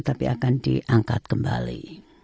tapi akan diangkat kembali